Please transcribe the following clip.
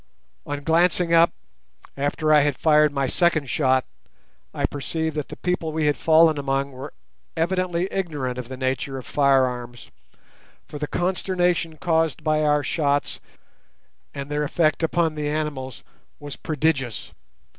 On glancing up, after I had fired my second shot, I perceived that the people we had fallen among were evidently ignorant of the nature of firearms, for the consternation caused by our shots and their effect upon the animals was prodigious.